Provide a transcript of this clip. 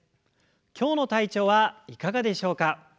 今日の体調はいかがでしょうか？